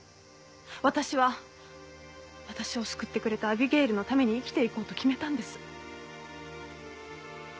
私は私を救ってくれたアビゲイルのために生きていこうと決めたんです。